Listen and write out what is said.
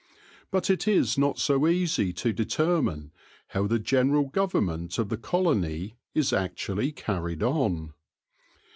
But it is not so easy to determine how the general govern ment of the colony is actually carried on.